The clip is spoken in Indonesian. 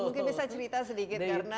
mungkin bisa cerita sedikit karena